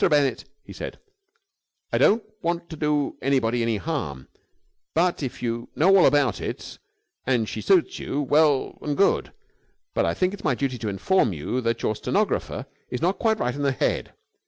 Bennett," he said, "I don't want to do anybody any harm, and, if you know all about it, and she suits you, well and good; but I think it is my duty to inform you that your stenographer is not quite right in the head.